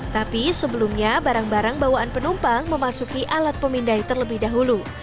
tapi sebelumnya barang barang bawaan penumpang memasuki alat pemindai terlebih dahulu